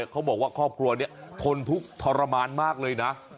เขาบอกว่าครอบครัวนี้ทนทุกข์ทรมานมากเลยนะ